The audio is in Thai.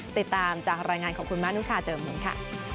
ติดตามจากรายงานของคุณมานุชาเจอมูลค่ะ